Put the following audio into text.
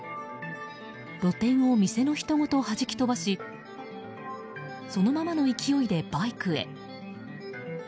露店を店の人ごと弾き飛ばしそのままの勢いで、バイクへ。